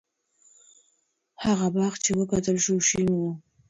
هغه باغ چې وکتل شو، شین و.